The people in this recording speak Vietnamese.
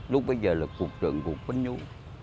lúc bây giờ là cục trưởng của quân nhũng